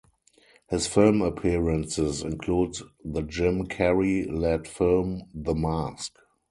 His film appearances include the Jim Carrey led film, "The Mask".